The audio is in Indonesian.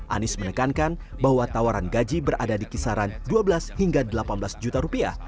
anies menekankan bahwa tawaran gaji berada di kisaran dua belas hingga delapan belas juta rupiah